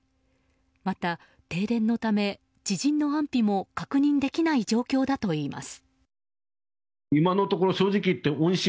また、停電のため知人の安否も確認できない状況だといいます。